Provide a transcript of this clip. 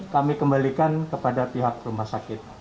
kami kembalikan kepada pihak rumah sakit